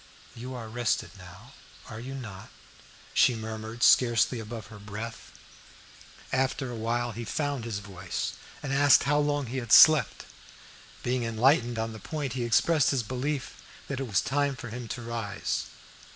"You are rested now, are you not?" she murmured, scarcely above her breath. After a while he found his voice and asked how long he had slept. Being enlightened on the point, he expressed his belief that it was time for him to rise.